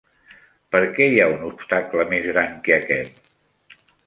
Perquè, hi ha un obstacle més gran que aquest?